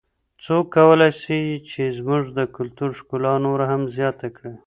څوک کولای سي چې زموږ د کلتور ښکلا نوره هم زیاته کړي؟